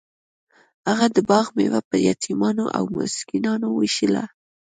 هغه د باغ میوه په یتیمانو او مسکینانو ویشله.